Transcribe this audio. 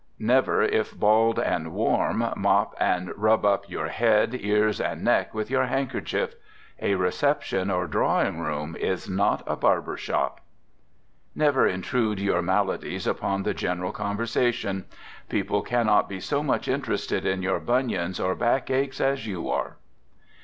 Never, if bald and warm, mop and rub up your head, ears and neck with your handkerchief. A reception or drawing room is not a barber shop. Never intrude your maladies upon the general conversation. People cannot be so much interested in your bunions or backache as you are.